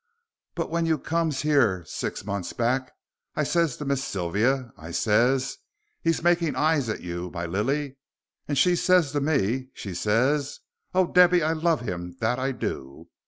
But when you comes here six months back, I ses to Miss Sylvia, I ses, 'He's making eyes at you, my lily,' and she ses to me, she says, 'Oh, Debby, I love him, that I do.'